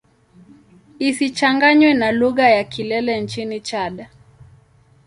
Isichanganywe na lugha ya Kilele nchini Chad.